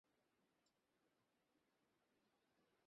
আগামীকাল কেউ আমাকে, থামাতে পারবে না, পূজা।